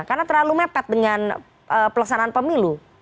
karena terlalu mepet dengan pelaksanaan pemilu